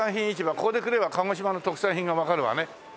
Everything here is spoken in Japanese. ここに来れば鹿児島の特産品がわかるわね。